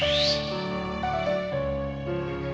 alhamdulillah si bu sembuh